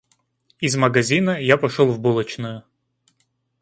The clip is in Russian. Из магазина я пошел в булочную.